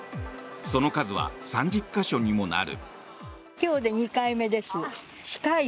その数は３０か所にもなる。